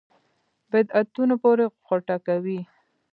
بدعتونو پورې غوټه کوي.